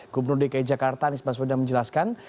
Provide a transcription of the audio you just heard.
gubernur dki jakarta nis basweda menjelaskan